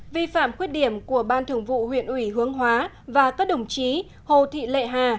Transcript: vi phạm khuyết điểm của ban thường vụ huyện ủy hướng hóa và các đồng chí hồ thị lệ hà